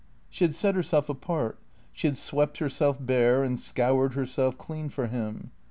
She had set herself apart; she had swept herself bare and scoured herself clean for him.